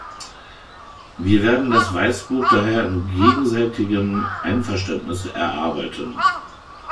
Wir werden das Weißbuch daher in gegenseitigem Einverständnis erarbeiten.